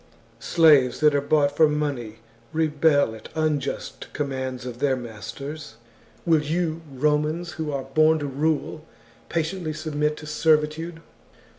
Slaves that are bought for money rebel at unjust com mands of their masters : will you, Romans, who are born to rule, patiently submit to servitude?